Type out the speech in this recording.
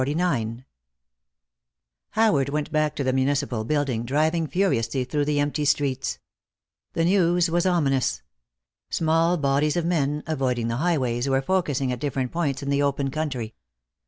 CHAPTER XLIX Howard went back to the municipal building, driving furiously through the empty streets. The news was ominous. Small bodies of men, avoiding the highways, were focusing at different points in the open country.